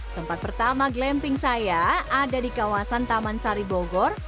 tempat pertama glamping saya ada di kawasan taman saribogor